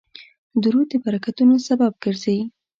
درود د برکتونو سبب ګرځي